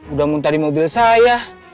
udah muntah di mobil saya